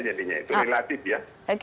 jadinya itu relatif ya